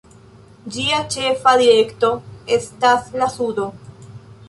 Ĝia ĉefa direkto estas la sudo.